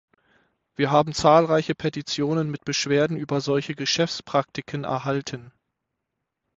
Wir haben zahlreiche Petitionen mit Beschwerden über solche Geschäftspraktiken erhalten.